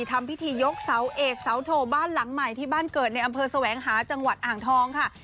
ทำพิธียกเสาเอกเสาโถบ้านหลังใหม่ที่บ้านเกิดในอำเภอแสวงหาจังหวัดอ่างทองค่ะ